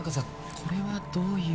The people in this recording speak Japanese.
これはどういう。